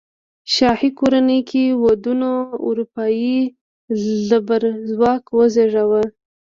شاهي کورنۍ کې ودونو اروپايي زبرځواک وزېږاوه.